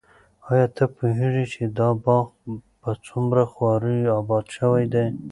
ایا ته پوهېږې چې دا باغ په څومره خواریو اباد شوی دی؟